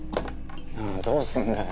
どうすんだよ